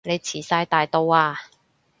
你遲哂大到啊